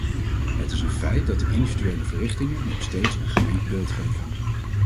Het is een feit dat de individuele verrichtingen nog steeds een gemengd beeld geven.